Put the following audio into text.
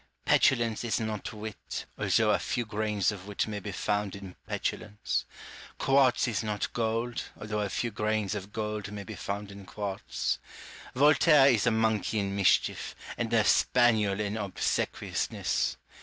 Pelulance is not wit, although a few grains of wit may be found in petulance : quartz is not gold, although a few grains of gold may be found in quartz. Voltaire is a monkey in mischief, and a spaniel in obsequiousness.